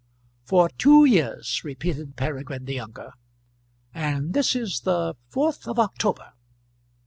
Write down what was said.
"For two years!" repeated Peregrine the younger; "and this is the fourth of October."